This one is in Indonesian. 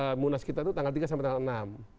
dan munas kita itu tanggal tiga sampai tanggal enam